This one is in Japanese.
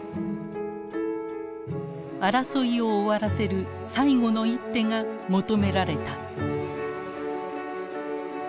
争いを終わらせる最後の一手が求められた。